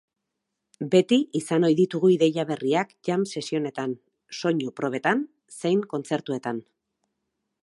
Beti izan ohi ditugu ideia berriak jam session-etan, soinu probetan zein kontzertuetan.